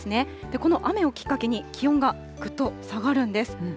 この雨をきっかけに、気温がぐっと下がるんです。